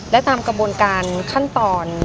และตามกระบวนการขั้นตอน